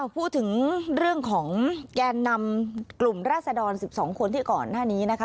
พูดถึงเรื่องของแกนนำกลุ่มราศดร๑๒คนที่ก่อนหน้านี้นะคะ